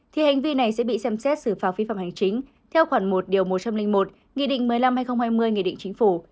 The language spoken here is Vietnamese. thì hành vi này sẽ bị xem xét xử phạt vi phạm hành chính theo khoản một một trăm linh một nghị định một mươi năm hai nghìn hai mươi nghị định chính phủ